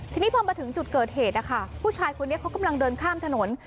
ทีนี้พอมาถึงจุดเกิดเหตุนะคะผู้ชายคนนี้เขากำลังเดินข้ามถนน